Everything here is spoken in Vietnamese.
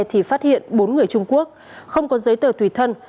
thì phát hiện bốn người trung quốc không có giấy tờ tùy thân